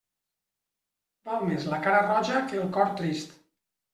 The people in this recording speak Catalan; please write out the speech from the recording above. Val més la cara roja que el cor trist.